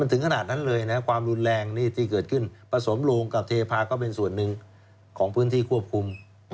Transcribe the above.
ถึงขนาดนั้นเลยนะความรุนแรงนี่ที่เกิดขึ้นผสมโรงกับเทพาก็เป็นส่วนหนึ่งของพื้นที่ควบคุม